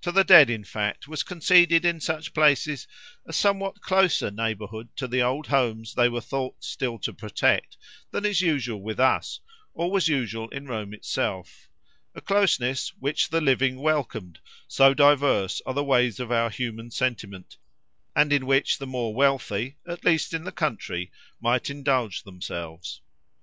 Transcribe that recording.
To the dead, in fact, was conceded in such places a somewhat closer neighbourhood to the old homes they were thought still to protect, than is usual with us, or was usual in Rome itself—a closeness which the living welcomed, so diverse are the ways of our human sentiment, and in which the more wealthy, at least in the country, might indulge themselves.